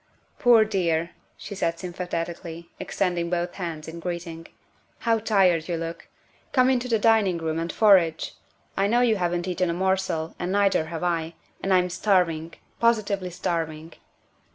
" Poor dear," she said sympathetically, extending both hands in greeting, " how tired you look. Come into the dining room and forage; I know you haven't eaten a morsel, and neither have I, and I'm starving positively starving."